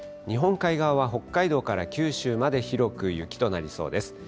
日本海側は北海道から九州まで広く雪となりそうです。